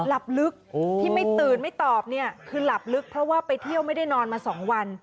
หลับลึกที่ไม่ตื่นไม่ตอบเนี่ยคือหลับลึกเพราะว่าไปเที่ยวไม่ได้นอนมา๒วัน